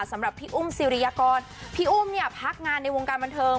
สำหรับพี่อุ้มสิริยากรพี่อุ้มเนี่ยพักงานในวงการบันเทิง